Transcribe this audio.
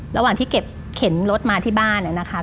ระหว่างที่เข็นรถมาที่บ้านอะนะคะ